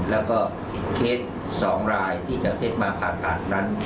แล้วก็เคส๒รายที่จะเซ็ตมาผ่าตัดนั้น